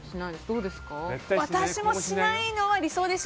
私もしないのは理想です。